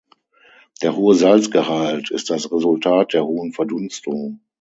Der hohe Salzgehalt ist das Resultat der hohen Verdunstung.